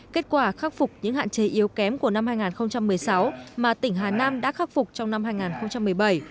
kết quả khắc phục những hạn chế yếu kém của năm hai nghìn một mươi sáu mà tỉnh hà nam đã khắc phục trong năm hai nghìn một mươi bảy